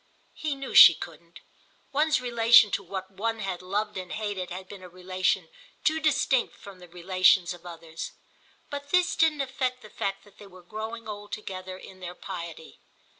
He knew she couldn't: one's relation to what one had loved and hated had been a relation too distinct from the relations of others. But this didn't affect the fact that they were growing old together in their piety.